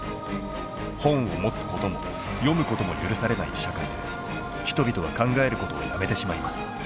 本を持つことも読むことも許されない社会で人々は考えることをやめてしまいます。